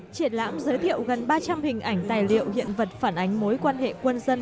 triển lãm giới thiệu gần ba trăm linh hình ảnh tài liệu hiện vật phản ánh mối quan hệ quân dân